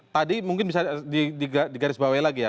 tadi mungkin bisa digarisbawahi lagi ya